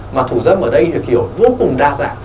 mà thủ dâm ở đây được hiểu vô cùng đa dạng